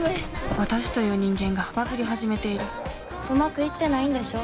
私という人間がバグり始めているうまくいってないんでしょ？